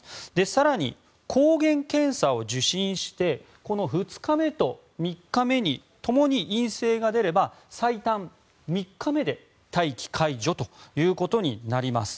更に抗原検査を受診してこの２日目と３日目にともに陰性が出れば最短３日目で待機解除となります。